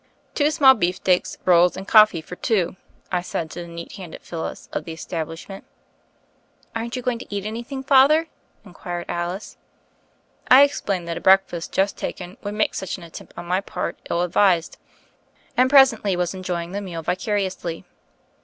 "Two small beefsteaks, rolls and coffee for two," I said to the neat handed Phyllis of the establishment. "Aren't you going to eat anything. Father?" inquired Alice. I explained that a breakfast, just taken, would make such an attempt on my part ill advised; and presently was enjoying the meal vicariously.